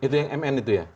itu yang mn itu ya